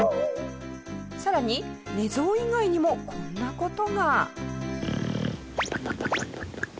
さらに寝相以外にもこんな事が。